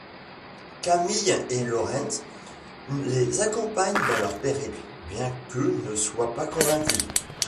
Camille et Lawrence les accompagnent dans leur périple, bien qu'eux ne soient pas convaincus.